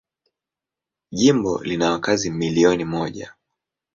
Jimbo lina wakazi milioni moja.